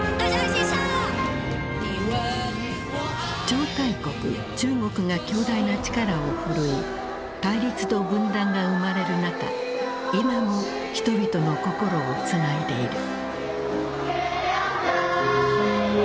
超大国・中国が強大な力を振るい対立と分断が生まれる中今も人々の心をつないでいる。